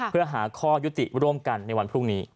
เพื่อหาข้อยุติร่วมกันในวันพรุ่งนี้